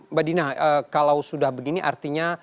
mbak dina kalau sudah begini artinya